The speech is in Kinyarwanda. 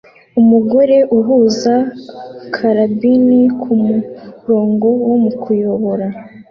Umugore uhuza karabine kumurongo wo kuyobora